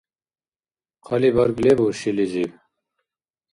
Хъалибарг лебу шилизиб?